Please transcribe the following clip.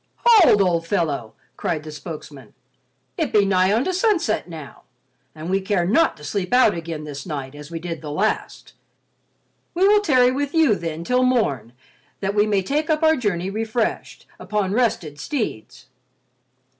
"Hold, old fellow!" cried the spokesman. "It be nigh onto sunset now, and we care not to sleep out again this night as we did the last. We will tarry with you then till morn that we may take up our journey refreshed, upon rested steeds."